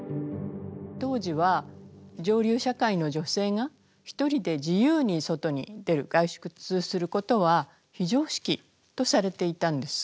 当時は上流社会の女性が一人で自由に外に出る外出することは非常識とされていたんです。